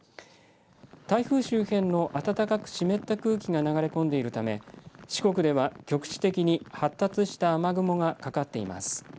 台風周辺の暖かく湿った空気が流れ込んでいるため四国では局地的に発達した雨雲がかかっています。